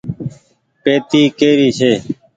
پيتي ڪيري ڇي۔